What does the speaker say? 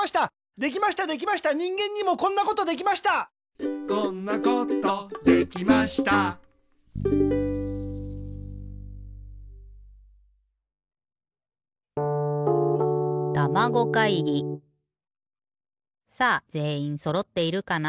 できましたできました人間にもこんなことできましたさあぜんいんそろっているかな？